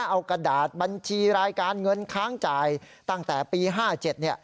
เอากระดาษบัญชีรายการเงินค้างจ่ายตั้งแต่ปี๕๗เนี่ย